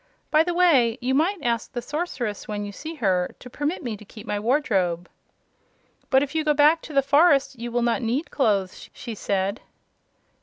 By the way, you might ask the Sorceress, when you see her, to permit me to keep my wardrobe." "But if you go back to the forest you will not need clothes," she said.